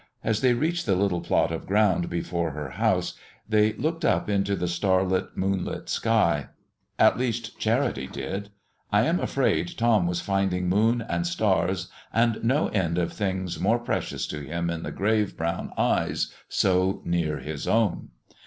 As they reached the little plot of ground before her house they looked up into the starlit, moonlit sky. At least Charity did. I am afraid Tom was finding moon and stars and no end of things more precious to him in the grave brown eyes so near his own.